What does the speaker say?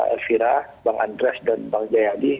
elvira bang andreas dan bang jayadi